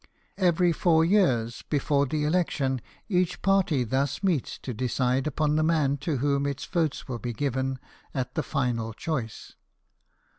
Every four years, before the election, each party thus meets to decide upon the man to whom its votes will be given at the final choice.